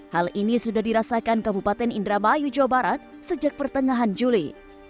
hal ini sudah dirasakan kabupaten indramayu jawa barat sejak pertengahan juli